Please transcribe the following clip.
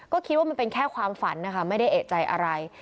ก็คิดว่ามันเป็นแค่ความฝันนะคะไม่ได้เอกใจอะไร